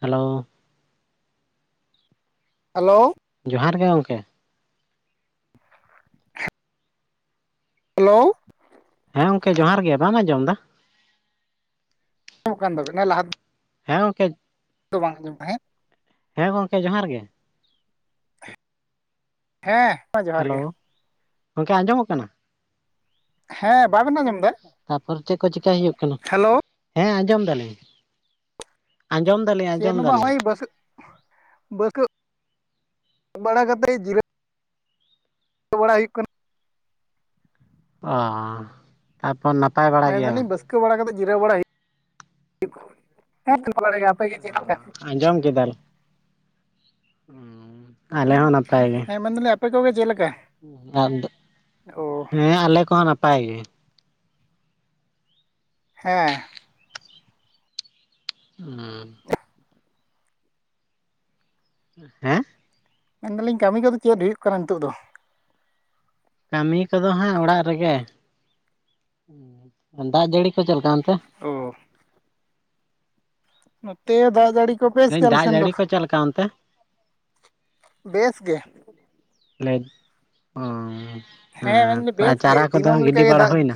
Hello hello ᱡᱚᱦᱟᱨ ᱜᱮ ᱜᱚᱝᱠᱮ᱾ ᱦᱮᱞᱳ ᱦᱮᱸ ᱜᱚᱝᱠᱮ ᱡᱚᱦᱟᱨ ᱜᱮ ᱵᱟᱢ ᱟᱸᱡᱚᱢ ᱫᱟ᱾ ᱟᱡᱚᱢᱚᱜ ᱠᱟᱱ ᱛᱟᱵᱤᱱᱟ ᱞᱟᱦᱟ᱾ ᱦᱮᱸ ᱜᱚᱝᱠᱮ᱾ ᱱᱤᱛᱳᱜ ᱵᱟᱝ ᱟᱸᱡᱚᱢ ᱛᱟᱦᱮᱸᱫ᱾ ᱦᱮᱸ ᱜᱚᱢᱠᱮ ᱡᱚᱦᱟᱨ ᱜᱮ᱾ ᱦᱮᱸ ᱢᱟ ᱡᱚᱦᱟᱨ ᱦᱮᱞᱳ ᱜᱮ ᱜᱚᱢᱠᱮ ᱟᱸᱡᱚᱢ ᱠᱟᱱᱟ᱾ ᱦᱮᱸ ᱵᱟᱵᱮᱱ ᱟᱸᱡᱚᱢ ᱫᱟ᱾ ᱛᱟᱨᱯᱚᱨ ᱪᱮᱫ ᱠᱚ ᱪᱤᱠᱟᱭ ᱦᱩᱭᱩᱜ ᱠᱟᱱᱟ ᱦᱮᱸ ᱟᱸᱡᱚᱢ ᱫᱟᱞᱤᱧ᱾ ᱟᱸᱡᱚᱢ ᱫᱟᱞᱤᱧ ᱪᱮᱫ ᱟᱸᱡᱚᱢ ᱦᱚᱸ ᱵᱟᱝ ᱫᱟᱞᱤᱧ ᱦᱚᱸᱜᱼᱚᱭ [unintelligible] ᱵᱟᱲᱟ ᱠᱟᱛᱮ ᱡᱤᱨᱟᱹ ᱵᱟᱲᱟᱭ ᱦᱩᱭᱩᱜ ᱠᱟᱱᱟ ᱚᱻ ᱛᱟᱯᱚᱨ ᱱᱟᱯᱟᱭ ᱵᱟᱲᱟ ᱜᱮᱭᱟ ᱵᱮᱱ? [unintelligible] ᱠᱟᱛᱮ ᱡᱤᱨᱟᱹᱣ ᱵᱟᱲᱟ ᱦᱩᱭᱩᱜᱼᱟ [inaudible] ᱟᱯᱮ ᱜᱮ ᱪᱮᱫ ᱞᱮᱠᱟ? ᱟᱸᱡᱚᱢ ᱠᱮᱫᱟ ᱞᱮ ᱩᱸᱻ ᱦᱮᱸ ᱢᱮᱱ ᱫᱟᱞᱤᱧ ᱟᱯᱮ ᱠᱚᱜᱮ ᱪᱮᱫ ᱞᱮᱠᱟ? ᱟᱫᱚ ᱚ ᱦᱮᱸ ᱟᱞᱮ ᱠᱚᱦᱚᱸ ᱱᱟᱯᱟᱭ ᱜᱮ ᱦᱮᱸ ᱦᱩᱸᱻ ᱦᱮᱸ ᱢᱮᱱ ᱫᱟᱞᱤᱧ ᱠᱟᱹᱢᱤ ᱠᱚᱫᱚ ᱪᱮᱫ ᱦᱩᱭᱩᱜ ᱠᱟᱱᱟ ᱱᱤᱛᱚᱜ ᱫᱚ? ᱠᱟᱹᱢᱤ ᱠᱚᱫᱚ ᱦᱟᱸᱜ ᱚᱲᱟᱜ ᱨᱮᱜᱮ। ᱫᱟᱜ ᱡᱟᱹᱲᱤ ᱠᱚ ᱪᱮᱫ ᱞᱮᱠᱟ ᱚᱱᱛᱮ? ᱚ ᱱᱚᱛᱮ ᱫᱟᱜ ᱡᱟᱹᱲᱤ ᱠᱚ ᱯᱮᱥ ᱜᱮ ᱟᱞᱮ ᱫᱟᱜ ᱥᱮᱱ ᱫᱚ ᱡᱟᱹᱲᱤ ᱠᱚ ᱪᱮᱫ ᱞᱮᱠᱟ ᱚᱱᱛᱮ ᱵᱮᱥ ᱜᱮ ᱚ ᱦᱮᱸ ᱢᱮᱱᱫᱟᱹᱧ ᱟᱨ ᱵᱮᱥ ᱜᱮ ᱪᱟᱨᱟ ᱠᱚᱫᱚ ᱫᱤᱱᱟᱹᱢ ᱞᱮᱠᱟ ᱜᱤᱰᱤ ᱜᱮ ᱵᱟᱲᱟ ᱫᱟᱜ ᱦᱩᱭᱱᱟ?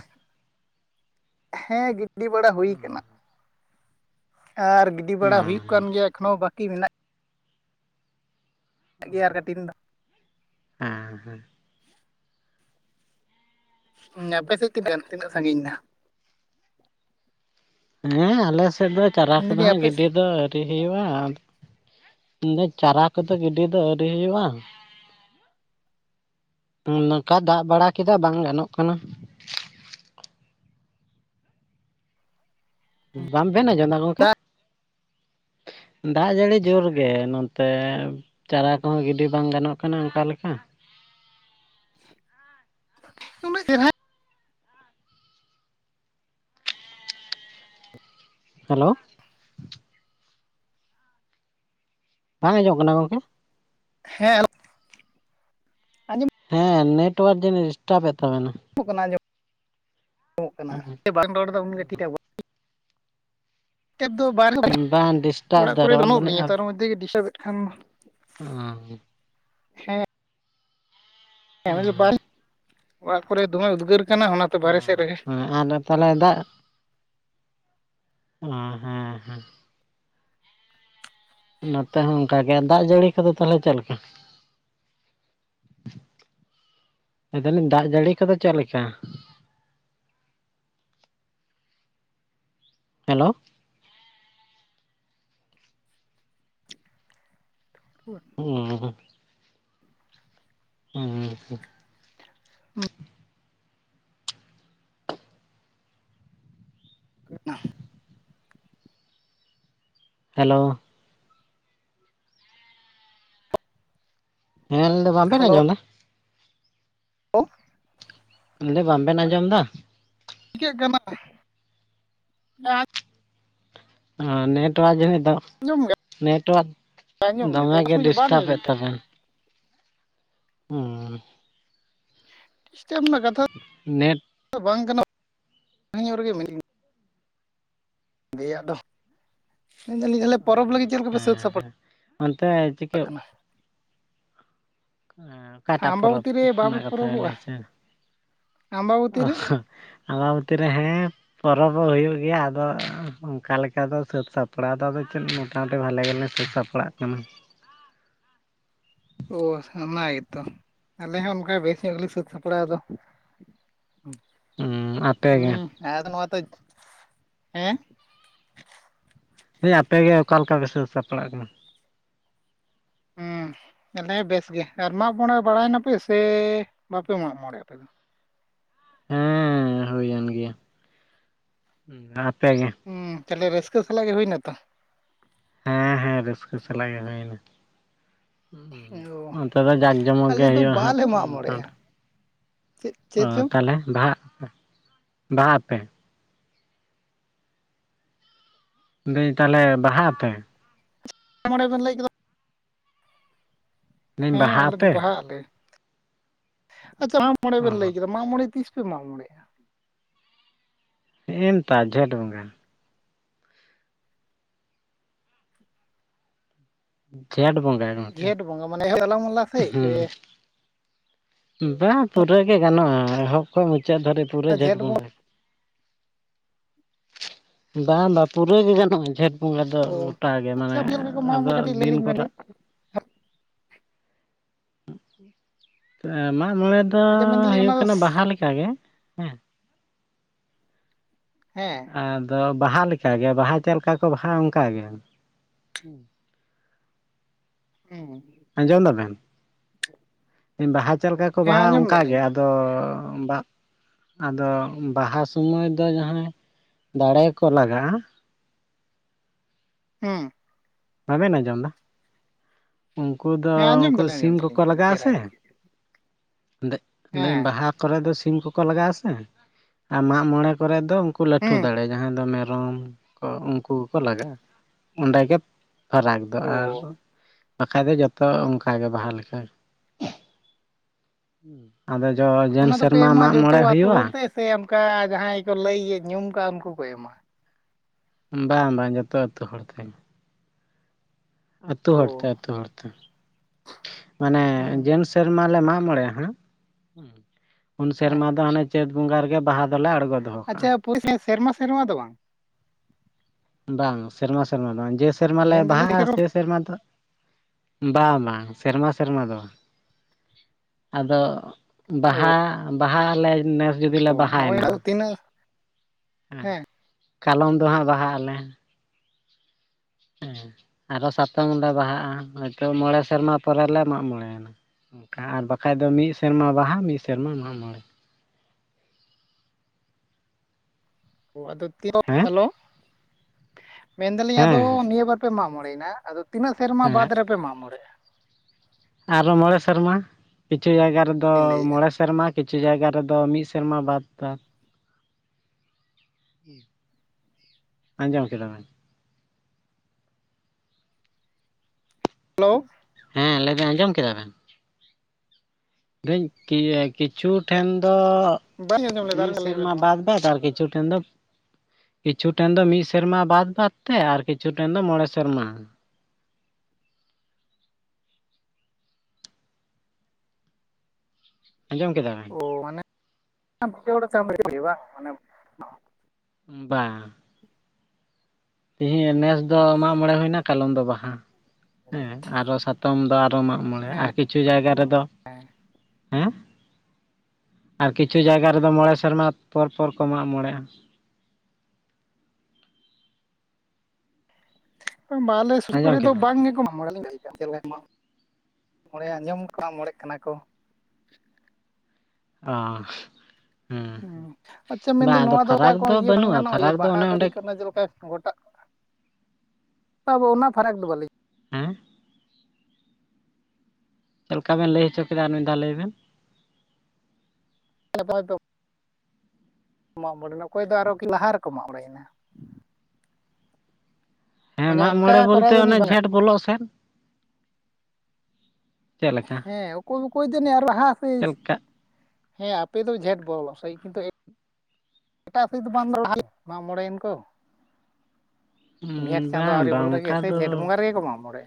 ᱦᱮᱸ ᱜᱤᱰᱤ ᱵᱟᱲᱟ ᱦᱩᱭ ᱟᱠᱟᱱᱟ ᱟᱨ ᱜᱤᱰᱤ ᱵᱟᱲᱟ ᱦᱩᱭᱩᱜ ᱦᱮᱸ ᱠᱟᱱ ᱜᱮᱭᱟ ᱮᱠᱷᱚᱱᱚ ᱵᱟᱠᱤ ᱢᱮᱱᱟᱜ ᱜᱮᱭᱟ ᱟᱨ ᱠᱟᱴᱤᱱ ᱫᱚ ᱦᱮᱸ ᱦᱮᱸ ᱟᱯᱮ ᱥᱮᱫ ᱛᱤᱱᱟᱹᱜ ᱜᱟᱱ ᱛᱤᱱᱟᱹᱜ ᱥᱟᱺᱜᱤᱧ ᱮᱱᱟ? ᱦᱮᱸ ᱟᱞᱮ ᱥᱮᱫ ᱫᱚ ᱪᱟᱨᱟ ᱠᱚᱫᱚ ᱢᱮᱱᱫᱟᱞᱤᱧ ᱦᱟᱸᱜ ᱟᱯᱮ ᱥᱮᱫ ᱜᱤᱰᱤ ᱫᱚ ᱟᱹᱨᱤ ᱦᱩᱭᱩᱜᱼᱟ ᱢᱮᱱ ᱫᱟᱹᱧ ᱪᱟᱨᱟ ᱠᱚᱫᱚ ᱜᱤᱰᱤ ᱫᱚ ᱟᱣᱨᱤ ᱦᱩᱭᱩᱜᱼᱟ ᱱᱚᱝᱠᱟ ᱫᱟᱜ ᱵᱟᱲᱟ ᱠᱮᱫᱟ ᱵᱟᱝ ᱜᱟᱱᱚᱜ ᱠᱟᱱᱟ ᱵᱟᱝ ᱵᱮᱱ ᱟᱸᱡᱚᱢ ᱫᱟ ᱜᱚᱝᱠᱮ? ᱫᱟᱜ ᱫᱟᱜ ᱡᱟᱹᱲᱤ ᱡᱳᱨ ᱜᱮ ᱱᱚᱛᱮ ᱪᱟᱨᱟ ᱠᱚᱦᱚᱸ ᱜᱤᱰᱤ ᱵᱟᱝ ᱜᱟᱱᱚᱜ ᱠᱟᱱᱟ ᱚᱱᱠᱟ ᱞᱮᱠᱟ ᱩᱱᱟᱹᱜ ᱪᱮᱨᱦᱟ ᱦᱮᱞᱳ ᱵᱟᱝ ᱟᱸᱡᱚᱢᱚᱜ ᱠᱟᱱᱟ ᱜᱚᱝᱠᱮ? ᱦᱮᱸ ᱟᱸᱡᱚᱢᱚᱜ ᱦᱮᱸ ᱱᱮᱴᱳᱣᱟᱨᱠ ᱡᱟᱱᱤᱡ ᱰᱤᱥᱴᱟᱯ ᱮᱫ ᱛᱟᱵᱮᱱᱟ ᱮᱠᱳᱜ ᱠᱟᱱᱟ ᱡᱮ [inaudible] ᱱᱮᱛᱟᱨ ᱫᱚ ᱵᱟᱨᱦᱮ ᱨᱮ ᱵᱟᱝ ᱰᱤᱥᱴᱟᱵ ᱚᱲᱟᱜ ᱫᱟ ᱠᱚᱨᱮ ᱫᱚ ᱨᱚᱲ ᱵᱟᱹᱱᱩᱜ ᱱᱟᱜ ᱞᱤᱧᱟ ᱛᱟᱨ ᱢᱚᱫᱽᱫᱷᱮ ᱜᱮ ᱰᱤᱥᱴᱟᱵ ᱮᱫ ᱠᱷᱟᱱ ᱚᱻ ᱦᱮᱸ [unintelligible] ᱚᱲᱟᱜ ᱠᱚᱨᱮ ᱫᱚᱢᱮ ᱩᱫᱽᱜᱟᱹᱨ ᱠᱟᱱᱟ ᱚᱱᱟᱛᱮ ᱵᱟᱨᱦᱮ ᱥᱮᱫ ᱨᱮᱜᱮ ᱚ ᱦᱮᱸ ᱟᱨ ᱛᱟᱦᱞᱦᱮ ᱫᱟᱜ ᱚ ᱦᱮᱸ ᱦᱮᱸ ᱱᱚᱛᱮ ᱦᱚᱸ ᱚᱱᱠᱟ ᱜᱮ ᱫᱟᱜ ᱡᱟᱹᱲᱤ ᱠᱚᱫᱚ ᱛᱟᱞᱦᱮ ᱪᱮᱫ ᱞᱮᱠᱟ? ᱢᱮᱱ ᱫᱟᱞᱤᱧ ᱫᱟᱜ ᱡᱟᱹᱲᱤ ᱠᱚᱫᱚ ᱪᱮᱫ ᱞᱮᱠᱟ? ᱦᱮᱞᱳ [inaudible] ᱚᱻ ᱦᱩᱸᱻ [inaudible] ᱦᱮᱞᱳ᱾ ᱦᱮᱸ ᱞᱮᱱᱫᱟ ᱵᱟᱝ ᱵᱤᱱ ᱦᱮᱞᱳ ᱟᱸᱡᱚᱢ ᱫᱟ? [unintelligible] ᱢᱮᱱᱫᱟ ᱵᱟᱝ ᱵᱮᱱ ᱟᱸᱡᱚᱢ ᱫᱟ? ᱪᱤᱠᱟᱹᱜ ᱠᱟᱱᱟ [unintelligible] ᱦᱚ ᱱᱮᱴᱣᱟᱨᱠ ᱡᱟᱹᱱᱤᱡ ᱫᱚ ᱜᱮ ᱱᱮᱴᱚᱣᱟᱨᱠ ᱟᱸᱡᱚᱢ ᱜᱮ ᱚᱠᱟ ᱫᱚᱢᱮᱜᱮ ᱥᱚᱢᱚᱭ ᱪᱚ ᱵᱟᱞᱤᱧ ᱰᱤᱥᱴᱟᱵ ᱟᱸᱡᱚᱢ ᱛᱟᱵᱮᱱ᱾ ᱦᱩᱸ᱾ ᱰᱤᱥᱴᱟᱹᱯ ᱨᱮᱱᱟᱜ ᱠᱟᱛᱷᱟ ᱱᱮᱴ ᱵᱟᱝ ᱜᱟᱱᱚᱜ ᱥᱟᱹᱜᱤᱧ ᱧᱚᱜ ᱨᱮᱜᱮ ᱢᱮᱱᱟᱹᱧᱟ᱾ ᱜᱮᱭᱟᱫᱚ ᱢᱮᱱ ᱫᱟ ᱞᱤᱧ ᱯᱚᱨᱚᱵ ᱞᱟᱹᱜᱤᱫ ᱪᱮᱫ ᱞᱮᱠᱟᱯᱮ ᱥᱟᱹᱛ ᱦᱮᱸ ᱥᱟᱯ ᱦᱮᱸ ᱚᱱᱛᱮ ᱪᱤᱠᱟᱹᱜ ᱮᱸ ᱚᱠᱟᱴᱟᱜ ᱯᱚᱨᱚᱵ ᱟᱢᱵᱟᱵᱚᱛᱤ ᱨᱮ ᱵᱟᱯᱮ ᱨᱮᱱᱟᱜ ᱠᱟᱛᱷᱟ ᱵᱮᱱ ᱯᱚᱨᱚᱵᱚᱜᱼᱟ ᱞᱟᱹᱭ ᱚᱪᱚᱭᱫᱟ? ᱟᱢᱵᱟᱵᱚᱛᱤ ᱨᱮ ᱟᱢᱵᱟ ᱵᱚᱛᱤ ᱨᱮ ᱦᱮᱸ ᱯᱚᱨᱚᱵ ᱚᱸ ᱦᱩᱭᱩᱜ ᱜᱮᱭᱟ ᱟᱫᱚ ᱚᱝᱠᱟ ᱞᱮᱠᱟ ᱫᱚ ᱥᱟᱹᱛ ᱥᱟᱯᱲᱟᱣ ᱫᱚ ᱟᱫᱚ ᱪᱮᱫ ᱢᱚᱴᱟ ᱵᱷᱟᱞᱮ ᱜᱮᱞᱮ ᱥᱟᱹᱛ ᱥᱟᱯ ᱯᱟᱲᱟᱜ ᱠᱟᱱᱟ᱾ ᱚ ᱚᱱᱟ ᱜᱮᱛᱚ ᱟᱞᱮ ᱦᱚᱸ ᱚᱱᱠᱟ ᱵᱮᱥ ᱧᱚᱜ ᱜᱮᱞᱮ ᱥᱟᱹᱛ ᱥᱟᱯᱲᱟᱣ ᱫᱚ ᱦᱩᱸ ᱟᱯᱮ ᱜᱮ ᱦᱩᱸ ᱟᱫᱚ ᱱᱚᱣᱟᱛᱚ ᱦᱮᱸ? ᱞᱮ ᱟᱯᱮᱜᱮ ᱚᱠᱟ ᱞᱮᱠᱟ ᱯᱮ ᱥᱟᱹᱛ ᱥᱟᱯᱲᱟᱜ ᱠᱟᱱᱟ? ᱦᱩᱸ ᱟᱞᱮ ᱵᱮᱥ ᱜᱮ, ᱟᱨ ᱢᱟᱜ ᱢᱚᱬᱮ ᱵᱟᱲᱟᱭ ᱱᱟᱯᱮ ᱥᱮ ᱵᱟᱯᱮ ᱢᱟᱜ ᱢᱚᱬᱮᱜᱼᱟ ᱟᱯᱮ ᱫᱚ? ᱦᱮᱸ ᱦᱩᱭᱮᱱ ᱜᱮᱭᱟ, ᱦᱩᱸ ᱟᱯᱮ ᱜᱮ? ᱦᱩᱸ ᱛᱟᱦᱚᱞᱮ ᱨᱟᱹᱥᱠᱟᱹ ᱥᱟᱞᱟᱜ ᱜᱮ ᱦᱩᱭᱱᱟ ᱛᱚ? ᱦᱮᱸ ᱦᱮᱸ ᱨᱟᱹᱥᱠᱟᱹ ᱥᱟᱞᱟᱜ ᱜᱮ ᱦᱩᱭ ᱱᱟ᱾ ᱳ ᱚᱱᱛᱮ ᱫᱚ ᱡᱟᱸᱠ ᱡᱚᱢᱚᱠ ᱜᱮ ᱟᱞᱮ ᱫᱚ ᱦᱩᱭᱩᱜᱼᱟ ᱵᱟᱞᱮ ᱢᱟᱜ ᱦᱟᱸᱜ ᱢᱚᱬᱮᱜᱼᱟ ᱪᱮᱫ [inaudible] ᱚ ᱪᱮᱫ ᱪᱚᱝ ᱛᱟᱦᱞᱮ ᱵᱟᱦᱟᱜ ᱵᱟᱦᱟᱜ ᱟᱯᱮ? ᱢᱮᱱᱫᱟᱹᱧ ᱛᱟᱦᱚᱞᱮ ᱵᱟᱦᱟᱜ ᱟᱯᱮ? ᱢᱚᱬᱮ ᱵᱮᱱ ᱞᱟᱹᱭ ᱠᱮᱫᱟ ᱞᱟᱹᱭᱟᱹᱧ ᱦᱮᱸ ᱵᱟᱦᱟᱜ ᱟᱞᱮ ᱫᱚ ᱟᱯᱮ? ᱵᱟᱦᱟᱜ ᱟᱞᱮ, ᱟᱪᱪᱷᱟ ᱢᱟᱜ ᱢᱚᱬᱮ ᱚ ᱵᱮᱱ ᱞᱟᱹᱭ ᱠᱮᱫᱟ ᱢᱟᱜ ᱢᱚᱬᱮ ᱛᱤᱥ ᱯᱮ ᱢᱟᱜ ᱢᱚᱬᱮᱜᱼᱟ? ᱦᱮᱸᱜᱼᱮ ᱱᱮᱛᱟᱨ ᱡᱷᱮᱸᱴ ᱵᱚᱸᱜᱟ᱾ ᱡᱷᱮᱸᱴ ᱵᱚᱸᱜᱟ᱾ ᱜᱚᱝᱠᱮ ᱡᱷᱮᱸᱴ ᱵᱚᱸᱜᱟ ᱢᱟᱱᱮ ᱮᱦᱚᱵ ᱛᱟᱞᱟᱢᱟᱞᱟ ᱥᱮᱫ ᱥᱮ ᱵᱟᱝ ᱯᱩᱨᱟᱹ ᱜᱮ ᱜᱟᱱᱚᱜᱼᱟ ᱮᱦᱚᱵ ᱠᱷᱚᱡ ᱢᱩᱪᱟᱹᱫ ᱫᱷᱚᱨᱮᱡ ᱯᱩᱨᱟᱹ ᱡᱷᱮᱸᱴ ᱵᱚᱸᱜᱟ ᱜᱮ᱾ ᱵᱟᱝ ᱵᱟ ᱯᱩᱨᱟᱹ ᱜᱮ ᱜᱟᱱᱚᱜᱼᱟ ᱡᱷᱮᱸᱴ ᱵᱚᱸᱜᱟ ᱫᱚ ᱳ ᱜᱚᱴᱟ ᱜᱮ ᱢᱟᱱᱮ ᱟᱪᱪᱷᱟ ᱪᱮᱫ ᱞᱮᱠᱟ ᱠᱚ ᱢᱟᱜ ᱟᱫᱚ ᱢᱚᱬᱮ ᱠᱟᱹᱴᱤᱡ ᱞᱟᱹᱭ ᱫᱤᱱ ᱞᱤᱧ ᱵᱮᱱ ᱠᱚᱨᱟᱜ ᱛᱚ ᱢᱟᱜ ᱢᱚᱬᱮ ᱫᱚ ᱟᱪᱪᱷᱟ ᱢᱮᱱᱫᱟᱞᱤᱧ ᱚᱱᱟ ᱦᱩᱭᱩᱜ ᱫᱚ ᱠᱟᱱᱟ ᱵᱟᱦᱟ ᱞᱮᱠᱟ ᱜᱮ ᱦᱮᱸ᱾ ᱦᱮᱸ᱾ ᱟᱫᱚ ᱵᱟᱦᱟ ᱞᱮᱠᱟ ᱜᱮ ᱵᱟᱦᱟ ᱪᱮᱫ ᱞᱮᱠᱟ ᱠᱚ ᱵᱟᱦᱟᱜᱼᱟ ᱚᱝᱠᱟ ᱜᱮ᱾ ᱦᱩᱸ᱾ ᱟᱸᱡᱚᱢ ᱫᱟᱵᱮᱱ? ᱵᱟᱦᱟ ᱪᱮᱫ ᱞᱮᱠᱟ ᱠᱚ ᱦᱮᱸ ᱵᱟᱦᱟᱼᱟ ᱟᱸᱡᱚᱢ ᱚᱝᱠᱟ ᱜᱮ ᱫᱟᱞᱤᱧ ᱟ ᱫᱚ ᱵᱟ ᱟᱫᱚ ᱵᱟᱦᱟ ᱥᱩᱢᱳᱭ ᱫᱚ ᱡᱟᱦᱟᱸᱭ ᱫᱟᱲᱮ ᱠᱚ ᱞᱟᱜᱟᱜᱼᱟ, ᱦᱩᱸ᱾ ᱵᱟᱵᱮᱱ ᱟᱸᱡᱚᱢ ᱫᱟ? ᱩᱸᱠᱩ ᱫᱚ ᱦᱮᱸ ᱟᱸᱡᱚᱢ ᱩᱸᱠᱩ ᱫᱟᱞᱤᱧ ᱥᱤᱢ ᱟᱸᱡᱚᱢ ᱫᱟᱞᱤᱧ ᱠᱚᱠᱚ ᱱᱤᱛᱚᱜ ᱫᱚ ᱞᱟᱜᱟᱜᱼᱟ ᱪᱮᱦᱨᱟ ᱥᱮ? ᱜᱮ ᱫᱟᱡ, ᱫᱟᱹᱧ ᱦᱮᱸ ᱵᱟᱦᱟ ᱠᱚᱨᱮ ᱫᱚ ᱥᱤᱢ ᱠᱚᱠᱚ ᱞᱟᱜᱟᱜᱼᱟ, ᱥᱮ ᱟᱨ ᱢᱟᱜ ᱢᱚᱬᱮ ᱠᱚᱨᱮ ᱫᱚ ᱩᱸᱠ- ᱠᱚ ᱞᱟᱹᱴᱩ ᱦᱩᱸ ᱫᱟᱲᱮ ᱡᱟᱦᱟᱸᱭ ᱫᱚ ᱢᱮᱨᱚᱢ ᱠᱚ ᱩᱸᱠᱩ ᱠᱚᱠᱚ ᱞᱟᱜᱟᱜᱼᱟ, ᱚᱸᱰᱮ ᱜᱮ ᱯᱷᱟᱨᱟᱠ ᱫᱚ ᱚ ᱟᱨ ᱵᱟᱠᱷᱟᱡ ᱫᱚ ᱡᱚᱛᱚ ᱚᱸᱠᱟ ᱜᱮ ᱵᱟᱦᱟ ᱞᱮᱠᱟ ᱜᱮ᱾ ᱟᱫᱚ ᱡᱚ ᱡᱮᱱ ᱚᱱᱟ ᱫᱚᱠᱚ ᱥᱮᱨᱢᱟ ᱮᱢᱟ ᱢᱟᱜ ᱡᱚᱛᱚ ᱢᱚᱬᱮ ᱟᱛᱳ ᱦᱩᱭᱩᱜᱼᱟ? ᱦᱚᱲ ᱛᱮ ᱥᱮ ᱚᱱᱠᱟ ᱡᱟᱦᱟᱸᱭ ᱠᱚ ᱞᱟᱹᱭ ᱤᱭᱟᱹ ᱧᱩᱢ ᱠᱟᱜᱼᱟ ᱩᱱᱠᱩ ᱠᱚ ᱮᱢᱟ? ᱵᱟᱝ ᱵᱟᱝ ᱡᱚᱛᱚ ᱟᱹᱛᱩ ᱦᱚᱲ ᱛᱮᱜᱮ᱾ ᱟᱹᱛᱩ ᱚ ᱦᱚᱲ ᱛᱮ, ᱟᱹᱛᱩ ᱦᱚᱲ ᱛᱮ᱾ ᱮᱸ ᱢᱟᱱᱮ ᱦᱩᱸ ᱡᱮᱱ ᱥᱮᱨᱢᱟ ᱞᱮ ᱢᱟᱜ ᱢᱚᱬᱮ ᱟᱸ ᱦᱟᱸᱜ, ᱦᱩᱸ ᱩᱱ ᱦᱮᱸ ᱥᱮᱨᱢᱟ ᱫᱚ ᱦᱟᱱᱮ ᱪᱟᱹᱛ ᱵᱚᱸᱜᱟ ᱨᱮᱜᱮ ᱵᱟᱦᱟ ᱫᱚᱞᱮ ᱟᱲᱜᱚᱱ᱾ ᱟᱪᱪᱷᱟ ᱯᱚᱨᱤ ᱥᱮᱱ ᱥᱮᱨᱢᱟ ᱥᱮᱨᱢᱟ ᱫᱚ ᱵᱟᱝ? ᱵᱟᱝ ᱥᱮᱨᱢᱟ ᱥᱮᱨᱢᱟ ᱫᱚ ᱵᱟᱝ, ᱡᱮ ᱥᱮᱨᱢᱟ ᱞᱮ ᱵᱟᱦᱟᱜ-ᱟ ᱥᱮᱥ ᱥᱮᱨᱢᱟ ᱫᱚ, ᱵᱟᱝ ᱵᱟᱝ ᱥᱮᱨᱢᱟ ᱥᱮᱨᱢᱟ ᱫᱚ ᱵᱟᱝ᱾ ᱟᱫᱚ ᱚ ᱵᱟᱦᱟ ᱵᱟᱦᱟ ᱟᱞᱮ ᱱᱮᱥ ᱡᱩᱫᱤ ᱞᱮ ᱦᱚᱸᱜᱼᱚᱭ ᱵᱟᱦᱟᱭᱱᱟ ᱟᱫᱚ ᱛᱤᱱᱟᱹᱜ ᱦᱮᱸ ᱠᱟᱞᱚᱢ ᱫᱚ ᱦᱟᱸᱜ ᱵᱟᱦᱟᱜ ᱟᱞᱮ᱾ ᱦᱮᱸ ᱟᱨᱚ ᱥᱟᱛᱚᱢ ᱞᱮ ᱵᱟᱦᱟᱜᱼᱟ ᱦᱚᱭᱛᱳ ᱢᱚᱬᱮ ᱥᱮᱨᱢᱟ ᱯᱚᱨᱮᱞᱮ ᱢᱟᱜ ᱢᱚᱬᱮ ᱱᱟ᱾ ᱚᱱᱠᱟ ᱟᱨ ᱵᱟᱠᱷᱟᱡ ᱫᱚ ᱢᱤᱫ ᱥᱮᱨᱢᱟ ᱵᱟᱦᱟ ᱢᱤᱫ ᱥᱮᱨᱢᱟ ᱢᱟᱜ ᱢᱚᱸᱬᱮ᱾ ᱚ ᱟᱫᱚ ᱛᱤᱞᱚᱠ ᱦᱮᱸ ᱦᱮᱞᱳ ᱢᱮᱱᱫᱟᱹᱞᱤᱧ ᱟᱫᱚ ᱦᱮᱸ ᱱᱤᱭᱟᱹ ᱵᱟᱨ ᱯᱮ ᱢᱟᱜ ᱢᱚᱬᱮᱭᱮᱱᱟ ᱟᱫᱚ ᱛᱤᱱᱟᱹᱜ ᱥᱮᱨᱢᱟ ᱵᱟᱫᱽ ᱨᱮᱯᱮ ᱢᱟᱜ ᱢᱚᱬᱮᱜᱼᱟ? ᱟᱨ ᱦᱚᱸ ᱢᱚᱸᱬᱮ ᱥᱮᱨᱢᱟ, ᱠᱤᱪᱷᱩ ᱡᱟᱭᱜᱟ ᱨᱮᱫᱚ ᱞᱤᱧ ᱞᱟᱹᱭᱮᱫᱼᱟ ᱢᱚᱸᱬᱮᱥ ᱥᱮᱨᱢᱟ ᱠᱤᱪᱷᱩ ᱡᱟᱭᱜᱟ ᱨᱮᱫᱚ ᱢᱤᱫ ᱥᱮᱨᱢᱟ ᱵᱟᱫ ᱫᱟ ᱾ ᱟᱸᱡᱚᱢ ᱠᱮᱫᱟ ᱵᱮᱱ? ᱦᱮᱞᱳᱣ ᱾ ᱦᱮᱸ ᱞᱟᱹᱭ ᱵᱮᱱ ᱟᱸᱡᱚᱢ ᱠᱮᱫᱟ ᱵᱮᱱ᱾ ᱫᱟᱹᱧ ᱠᱤ ᱮᱠ ᱠᱤᱪᱷᱩ ᱴᱷᱮᱱ ᱫᱚ ᱵᱟᱹᱧ ᱟᱸᱡᱚᱢ ᱞᱮᱫᱟ ᱟᱨ ᱢᱤᱜ ᱢᱤᱫ ᱫᱷᱟᱣ ᱞᱟᱹᱭ ᱵᱮᱱ ᱥᱮᱨᱢᱟ ᱢᱟ ᱵᱟᱫ ᱵᱷᱮᱜᱟᱨ ᱠᱤᱪᱷᱩ ᱴᱷᱮᱱ ᱫᱚᱯ ᱠᱤᱪᱷᱩ ᱴᱷᱮᱱ ᱫᱚ ᱢᱤᱫ ᱥᱮᱨᱢᱟ ᱵᱟᱫ ᱵᱟᱫ ᱛᱮ ᱟᱨ ᱠᱤᱪᱷᱩ ᱴᱷᱮᱱ ᱫᱚ ᱢᱚᱬᱮ ᱥᱮᱨᱢᱟ᱾ ᱟᱡᱚᱢ ᱠᱮᱫᱟᱵᱤᱱ? ᱚ ᱢᱟᱱᱮ [unintelligible] ᱵᱟᱝ᱾ [inaudible] ᱱᱮᱥ ᱫᱚ ᱢᱟᱜᱽ ᱢᱚᱬᱮᱸ ᱦᱩᱭᱱᱟ ᱠᱟᱞᱚᱢ ᱫᱚ ᱵᱟᱦᱟ ᱦᱮᱸ ᱟᱨᱚ ᱥᱟᱛᱚᱢ ᱫᱚ ᱟᱨᱚ ᱢᱟᱜᱽ ᱢᱚᱬᱮ ᱟᱨ ᱠᱤᱪᱷᱩ ᱡᱟᱭᱜᱟ ᱨᱮᱫᱚ ᱦᱮᱸ, ᱟᱨ ᱠᱤᱪᱷᱩ ᱡᱟᱭᱜᱟ ᱨᱮᱫᱚ ᱢᱚᱸᱬᱮ ᱥᱮᱨᱢᱟ ᱯᱚᱨ ᱯᱚᱨ ᱠᱚ ᱢᱟᱜ ᱢᱚᱸᱬᱮᱜ-ᱟ᱾ ᱵᱟᱝ ᱟᱞᱮ ᱥᱩᱨ ᱟᱸᱡᱚᱢ ᱠᱚᱨᱮ ᱫᱚ ᱠᱮᱫᱟᱢ ᱵᱟᱝ ᱜᱮᱠᱚ ᱢᱟᱜ ᱢᱚᱸᱬᱮ ᱟ᱾ ᱪᱮᱫ ᱞᱮᱠᱟ ᱢᱟᱜ ᱢᱚᱬᱮ ᱟᱸᱡᱚᱢ [inaudible] ᱢᱚᱬᱮᱜ ᱠᱟᱱᱟ ᱠᱚ᱾ ᱚᱸ ᱦᱩᱸ ᱟᱪᱪᱷᱟ ᱢᱮᱱᱫᱟᱹᱧ ᱱᱚᱣᱟ ᱫᱚ ᱚᱠᱟ ᱯᱷᱟᱨᱟᱠ ᱠᱚ ᱤᱭᱟᱹ ᱵᱟᱝ ᱵᱟᱹᱱᱩᱜᱼᱟ ᱜᱟᱱᱚᱜ-ᱟ ᱡᱮ ᱯᱷᱟᱨᱟᱠ ᱵᱟᱦᱟ ᱚᱱᱮ ᱫᱚ ᱚᱸᱰᱮ [unintelligible] ᱡᱮᱞᱮᱠᱟ ᱜᱚᱴᱟ [inaudible] ᱟᱵᱚ ᱚᱱᱟ ᱯᱷᱟᱨᱟᱠ ᱫᱚ ᱵᱟᱹᱞᱤᱧ ᱦᱮᱸ ᱪᱮᱞᱠᱟ ᱵᱮᱱ ᱞᱟᱹᱭ ᱦᱚᱪᱚ ᱠᱮᱫᱟ ᱟᱨ ᱢᱤᱫ ᱫᱷᱟᱣ ᱞᱟᱹᱭ ᱵᱮᱱ? [inaudible] ᱢᱟᱜᱽ ᱢᱚᱬᱮᱸ ᱚᱠᱚᱭ ᱫᱚ ᱟᱨᱚᱠᱤ ᱞᱟᱦᱟ ᱨᱮᱠᱚ ᱢᱟᱜᱽ ᱢᱚᱬᱮᱭ ᱱᱟ᱾ ᱦᱮᱸ ᱢᱟᱱᱮ ᱢᱟᱜ ᱢᱚᱬᱮ ᱚᱱᱠᱟ ᱠᱚᱨᱟᱣ ᱵᱳᱞᱛᱮ ᱡᱟᱹᱱᱤᱡ ᱚᱱᱮ ᱵᱟᱝ ᱡᱷᱮᱸᱴ ᱵᱚᱞᱚᱜ ᱥᱮᱱ ᱾ ᱦᱮᱸ ᱚᱠᱚᱭ ᱚᱠᱚᱭ ᱫᱚ ᱚᱱᱮ ᱟᱨᱚ ᱨᱟᱦᱟ ᱪᱮᱫ ᱥᱮᱥ ᱞᱮᱠᱟ ᱦᱮᱸ ᱟᱯᱮᱫᱚ ᱡᱷᱮᱸᱴ ᱵᱚᱞᱚ ᱥᱮᱭ ᱠᱤᱱᱛᱩ ᱮᱯ ᱮᱴᱟᱜ ᱥᱮᱫ ᱫᱚ ᱵᱟᱢ ᱨᱚᱲ ᱦᱟᱞᱟ ᱢᱟᱜ ᱢᱚᱬᱮᱭᱮᱱ ᱠᱚ᱾ ᱵᱷᱤᱭᱮᱛ ᱪᱟᱸᱫᱳ ᱵᱟᱝ ᱟᱹᱣᱨᱤ ᱵᱟᱝ ᱵᱚᱞᱚᱜᱮ ᱚᱱᱠᱟ ᱥᱮ ᱫᱚ ᱡᱷᱮᱸᱴ ᱵᱚᱸᱜᱟ ᱨᱮᱜᱮ ᱠᱚ ᱢᱟᱜᱽ ᱢᱚᱬᱮᱜ᱾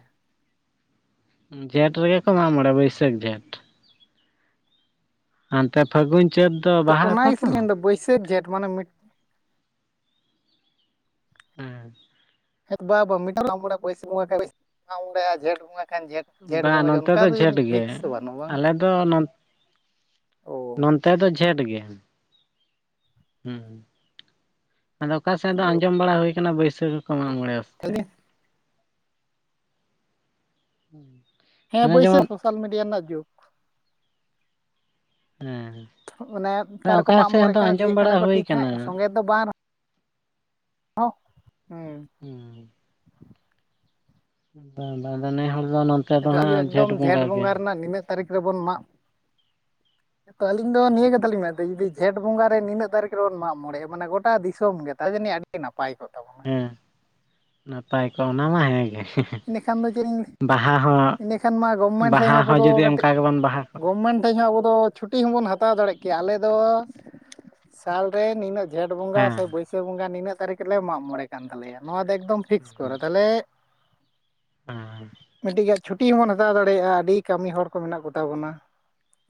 ᱡᱷᱸᱮᱴ ᱨᱮᱦᱚᱸ ᱠᱚ ᱢᱟᱜ ᱢᱚᱲᱮᱜᱼᱟ ᱵᱟᱹᱭᱥᱟᱹᱠᱷ ᱡᱷᱸᱮᱴ᱾ ᱦᱟᱱᱛᱮ ᱯᱷᱟᱹᱜᱩᱱ ᱪᱟᱹᱛ ᱫᱚ ᱵᱟᱦᱟ ᱟᱠᱚ ᱛᱚ᱾ ᱡᱷᱮᱴ ᱢᱟᱱᱮ ᱢᱤᱰ ᱩᱸ ᱦᱮᱴ ᱵᱟ ᱵᱟ [inaudible] ᱡᱷᱮᱸᱴ ᱵᱚᱸᱜᱟ ᱠᱷᱟᱱ ᱡᱷᱮᱸᱴ ᱡᱷᱮᱸᱴ ᱵᱟᱝ ᱵᱚᱸᱜᱟ ᱜᱮ ᱱᱚᱛᱮ ᱚᱱᱠᱟ ᱫᱚ ᱡᱷᱮᱸᱴ ᱡᱟᱹᱱᱤᱡ ᱜᱮ ᱯᱷᱤᱠᱥ ᱫᱚ ᱵᱟᱹᱱᱩᱜ ᱵᱟᱝ ᱟᱞᱮ ᱫᱚ ᱚ ᱱᱚ ᱛᱮ ᱫᱚ ᱡᱷᱮᱸᱴ ᱜᱮ᱾ ᱦᱩᱸ ᱟᱫᱚ ᱟᱠᱟ ᱥᱮᱱ ᱫᱚ ᱟᱡᱚᱢ ᱵᱟᱲᱟ ᱦᱳᱭ ᱠᱟᱱᱟ ᱵᱟᱹᱭᱥᱟᱹᱠᱷ᱾ ᱠᱚ ᱢᱟᱜᱽ ᱢᱚᱬᱮ ᱟ ᱥᱮᱪᱮᱫ? [unintelligible] ᱦᱮᱸ ᱵᱟᱹᱭᱥᱟᱹ ᱡᱮᱢᱚᱱ ᱥᱳᱥᱟᱞ ᱢᱤᱰᱤᱭᱟ ᱨᱮᱱᱟᱜ ᱡᱩᱜᱽ, ᱦᱮᱸ ᱚᱱᱮ ᱚᱠᱟ ᱨᱮᱠᱚ ᱢᱟᱜ ᱥᱮᱫ ᱢᱚᱸᱬᱮᱜ ᱦᱚᱸᱛᱚ ᱠᱟᱱᱟ ᱟᱸᱡᱚᱢ ᱡᱤᱭᱮᱫ ᱠᱟᱱᱟ ᱵᱟᱲᱟ ᱠᱚ ᱦᱩᱭ ᱴᱷᱤᱠ ᱦᱟᱸᱜ ᱟᱠᱟᱱᱟ ᱥᱚᱸᱝᱜᱮ ᱫᱚ ᱵᱟᱝ ᱨᱮ, [unintelligible] ᱦᱩᱸ ᱦᱩᱸᱻ ᱦᱮᱸ ᱵᱟᱸᱫᱷᱱᱮ ᱦᱚᱸᱵᱚᱱ ᱚᱱ ᱮᱫᱟᱜ [inaudible] ᱜᱤ ᱮᱠᱫᱚᱢ ᱜᱷᱮᱸᱴ ᱵᱚᱸᱜᱟ ᱨᱮᱱᱟᱜ ᱱᱤᱱᱟᱹᱜ ᱛᱟᱹᱨᱤᱠᱷ ᱨᱮᱵᱚᱱ ᱢᱟᱜ [inaudible] ᱛᱚ ᱟᱹᱞᱤᱧ ᱫᱚ ᱱᱤᱭᱟᱹ ᱠᱟᱛᱷᱟ ᱞᱤᱧ ᱢᱮᱱ ᱫᱟ ᱡᱩᱫᱤ ᱜᱷᱮᱸᱴ ᱵᱚᱸᱜᱟ ᱨᱮ ᱱᱤᱱᱟᱹᱜ ᱛᱟᱨᱤᱠᱷ ᱨᱮᱵᱚᱱ ᱢᱟᱜ ᱢᱚᱬᱮᱜᱼᱟ ᱢᱟᱱᱮ ᱜᱚᱴᱟ ᱫᱤᱥᱚᱢ ᱜᱮ ᱛᱟ ᱡᱟᱹᱱᱤ ᱟᱹᱰᱤ ᱟᱹᱰᱤ ᱱᱟᱯᱟᱭ ᱠᱚᱜ ᱛᱟᱵᱚᱱ ᱾ ᱦᱮᱸ ᱱᱟᱯᱟᱭ ᱠᱚᱜ, ᱚᱱᱟ ᱢᱟ ᱦᱮᱸ ᱜᱮ ᱦᱮᱸ ᱾ ᱤᱱᱟᱹ ᱠᱷᱟᱱ ᱫᱚ ᱪᱮᱫ ᱤᱧ [inaudible] ᱤᱱᱟᱹ ᱠᱷᱟᱱ ᱢᱟ ᱜᱚᱵᱢᱮᱱᱴ ᱴᱷᱮᱡ ᱵᱟᱦᱟ ᱦᱚᱸ ᱟᱵᱚ ᱫᱚ ᱡᱩᱫᱤ ᱠᱟᱹᱴᱤᱡ ᱚᱱᱠᱟ ᱜᱮᱵᱚᱱ ᱵᱟᱦᱟ ᱠᱚᱜ ᱜᱚᱵᱷᱢᱮᱱᱴ ᱴᱷᱮᱡ ᱦᱚᱸ ᱟᱵᱚ ᱫᱚ ᱪᱷᱩᱴᱤ ᱦᱚᱸᱵᱚᱱ ᱦᱟᱛᱟᱣ ᱫᱟᱲᱮᱜ ᱠᱮᱭᱟ ᱟᱞᱮ ᱫᱚ ᱥᱟᱞ ᱨᱮ ᱱᱤᱱᱟᱹᱜ ᱡᱷᱮᱸᱴ ᱵᱚᱸᱜᱟ ᱦᱮᱸ ᱥᱮ ᱵᱟᱹᱭᱥᱟᱹ ᱵᱚᱸᱜᱟ ᱱᱤᱱᱟᱹᱜ ᱛᱟᱨᱤᱠᱷ ᱨᱮᱞᱮ ᱢᱟᱜ ᱢᱚᱬᱮ ᱠᱟᱱ ᱛᱟᱞᱮᱭᱟ, ᱱᱚᱣᱟ ᱫᱚ ᱮᱠᱫᱚᱢ ᱯᱷᱤᱠᱥ ᱠᱚᱨᱮ ᱛᱟᱦᱮᱞᱮ ᱦᱮᱸᱻ ᱢᱤᱫᱴᱤᱡ ᱜᱟ ᱪᱷᱩᱴᱤ ᱦᱚᱸᱵᱚᱱ ᱦᱟᱛᱟᱣ ᱫᱟᱲᱮᱭᱟᱜᱼᱟ, ᱟᱹᱰᱤ ᱠᱟᱹᱢᱤ ᱦᱚᱲ ᱠᱚ ᱢᱮᱱᱟᱜ ᱠᱚ ᱛᱟᱵᱚᱱᱟ ᱾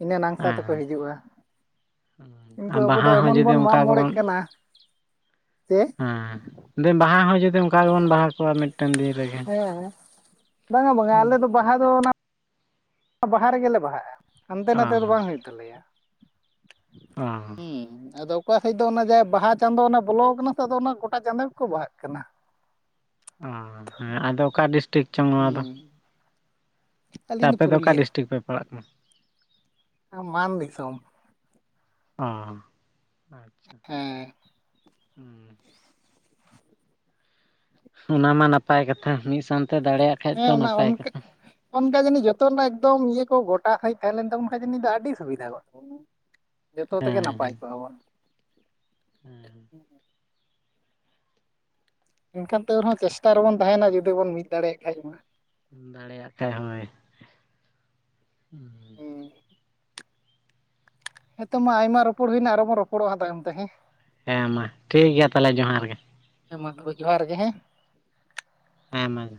ᱤᱱᱟᱹ ᱱᱟᱝᱥᱟ ᱛᱮᱠᱚ ᱦᱤᱡᱩᱜᱼᱟ ᱾ ᱟᱸ ᱵᱟᱦᱟ ᱦᱚᱸ ᱡᱩᱫᱤ ᱵᱚᱱ ᱚᱸᱠᱟ ᱢᱟᱜ ᱜᱮᱵᱚᱱ ᱢᱚᱬᱮᱜ ᱠᱟᱱᱟ ᱡᱮ [inaudible] ᱦᱮᱸ᱾ ᱫᱤ ᱵᱟᱦᱟ ᱦᱚᱸ ᱡᱩᱫᱤ ᱚᱝᱠᱟ ᱜᱮᱵᱚᱱ ᱵᱟᱦᱟ ᱠᱚᱜᱼᱟ ᱢᱤᱫᱴᱮᱱ ᱫᱤᱱ ᱨᱮᱜᱮ, ᱦᱮᱸ ᱵᱟᱝᱟ ᱵᱟᱝᱟ ᱩᱸ ᱟᱞᱮ ᱫᱚ ᱵᱟᱦᱟ ᱫᱚ ᱚᱱᱟ ᱵᱟᱦᱟ ᱨᱮᱜᱮ ᱞᱮ ᱵᱟᱦᱟᱜᱼᱟ ᱾ ᱦᱟᱱᱛᱮ ᱚ ᱱᱟᱛᱮ ᱫᱚ ᱵᱟᱝ ᱦᱩᱭᱩᱜ ᱛᱟᱞᱮᱭᱟ ᱚ ᱦᱩᱸᱻ ᱟᱫᱚ ᱚᱠᱟ ᱥᱮᱡ ᱫᱚ ᱚᱱᱟ ᱡᱟᱭ ᱵᱟᱦᱟ ᱪᱟᱸᱫᱚ ᱚᱱᱟ ᱵᱚᱞᱚ ᱟᱠᱟᱱᱟ ᱥᱮ ᱟᱫᱚ ᱚᱱᱟ ᱜᱚᱴᱟ ᱪᱟᱸᱫᱚ ᱜᱮᱠᱚ ᱵᱟᱦᱟᱜ ᱠᱟᱱᱟ ᱾ ᱚᱦᱚ ᱦᱮᱸ ᱟᱫᱚ ᱚᱠᱟ ᱰᱤᱥᱴᱤᱠ ᱪᱚᱝ ᱱᱚᱣᱟ ᱫᱚ? ᱦᱩᱸ ᱟᱪᱪᱷᱟ, ᱟᱹᱞᱤᱧ ᱟᱯᱮ ᱫᱚ ᱚᱠᱟ ᱯᱩᱨᱩᱞᱤᱭᱟᱹ ᱰᱤᱥᱴᱤᱠ ᱯᱮ ᱯᱟᱲᱟᱜ ᱠᱟᱱᱟ? ᱟᱸ ᱢᱟᱱ ᱫᱤᱥᱚᱢ ᱾ ᱚᱻ ᱟᱪ, [unintelligible] ᱦᱮᱸ, ᱦᱩᱸ ᱚᱱᱟ ᱢᱟ ᱱᱟᱯᱟᱭ ᱠᱟᱛᱷᱟ ᱢᱤᱫ ᱥᱟᱱᱛᱮ ᱫᱟᱲᱮᱭᱟᱫ ᱦᱮᱸ ᱚᱱᱟ ᱚᱱᱠᱟᱹᱫ [unintelligible] ᱚᱱᱠᱟ ᱡᱟᱹᱱᱤᱡ ᱡᱚᱛᱚ ᱨᱮᱱᱟᱜ ᱮᱠᱫᱚᱢ ᱤᱭᱟᱹ ᱠᱚ ᱜᱚᱴᱟ ᱥᱟᱹᱦᱤᱡ ᱛᱟᱦᱮᱸ ᱞᱮᱱ ᱛᱟᱵᱚᱱ ᱠᱷᱟᱡ ᱡᱟᱹᱱᱤᱡ ᱫᱚ ᱟᱹᱰᱤ ᱥᱩᱵᱤᱫᱷᱟ ᱜᱚᱜ ᱛᱟᱵᱚᱱ᱾ [inaudible] ᱡᱚᱛᱚ ᱛᱮᱜᱮ ᱱᱟᱯᱟᱭ ᱠᱚᱜᱼᱟ ᱵᱚᱱ, ᱦᱮᱸᱻ᱾ ᱮᱱᱠᱷᱟᱱ ᱛᱟᱹᱣ ᱨᱮᱦᱚᱸ ᱪᱮᱥᱴᱟ ᱨᱮᱵᱚᱱ ᱛᱟᱦᱮᱸᱱᱟ ᱡᱩᱫᱤ ᱵᱚᱱ ᱢᱤᱫ ᱫᱟᱲᱮᱭᱟᱜ ᱠᱷᱟᱡ ᱢᱟ ᱾ ᱫᱟᱲᱮᱭᱟᱜ ᱠᱷᱟᱡ ᱦᱳᱭ [inaudible] ᱦᱮᱸ ᱦᱮᱸᱛᱚ ᱢᱟ ᱟᱭᱢᱟ ᱨᱚᱯᱚᱲ ᱦᱩᱭ ᱮᱱᱟ ᱟᱨᱚ ᱵᱚᱱ ᱨᱚᱯᱚᱲᱚᱜᱼᱟ ᱛᱟᱭᱚᱢ ᱛᱮ ᱦᱮᱸ, ᱦᱮᱸ ᱢᱟ ᱴᱷᱤᱠ ᱜᱮᱭᱟ ᱛᱟᱦᱮᱞᱮ ᱡᱚᱦᱟᱨ ᱜᱮ ᱾ ᱦᱮᱸ ᱢᱟ ᱛᱚᱵᱮ ᱡᱚᱦᱟᱨ ᱜᱮ ᱦᱮᱸ ᱾ ᱦᱮᱸ ᱢᱟ ᱡᱚ